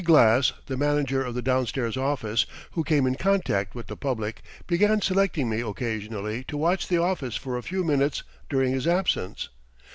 Glass, the manager of the downstairs office, who came in contact with the public, began selecting me occasionally to watch the office for a few minutes during his absence.